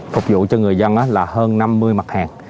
phục vụ cho người dân là hơn năm mươi mặt hàng